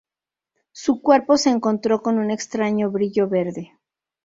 Su cuerpo se encontró con un extraño brillo verde.